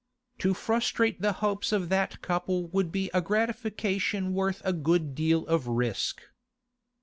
To frustrate the hopes of that couple would be a gratification worth a good deal of risk.